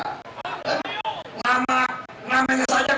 nama namanya saja kalian nggak bisa sebut